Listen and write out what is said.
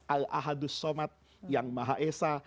al ahadus somad yang maha esa